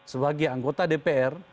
sebagai anggota dpr